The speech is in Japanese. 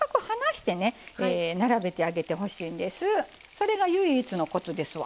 それが唯一のコツですわ。